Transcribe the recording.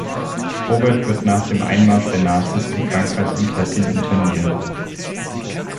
Robert wird nach dem Einmarsch der Nazis in Frankreich im Tessin interniert.